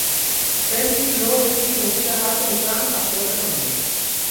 Percy luego decide introducir a Hazel y Frank a su otra familia.